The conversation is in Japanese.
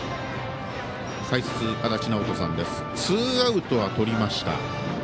ツーアウトはとりました。